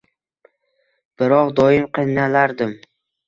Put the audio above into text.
Biroq doim qiynalardim.